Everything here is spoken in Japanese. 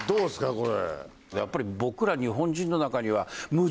これ。